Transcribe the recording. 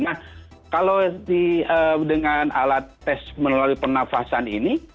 nah kalau dengan alat tes melalui pernafasan ini